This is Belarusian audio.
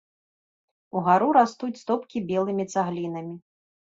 Угару растуць стопкі белымі цаглінамі.